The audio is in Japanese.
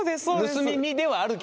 盗み見ではあるけど。